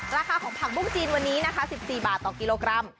ราคาของผักบุ้งจีนวันนี้นะคะ๑๔บาทต่อกิโลกรัม